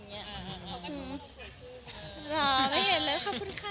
เขาก็ชอบมาถ่วยพรึง